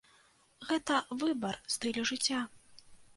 Гэта выбар стылю жыцця.